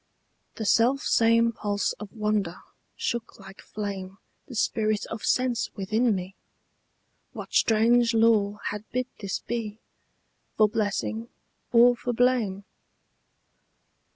The self same pulse of wonder shook like flame The spirit of sense within me: what strange law Had bid this be, for blessing or for blame?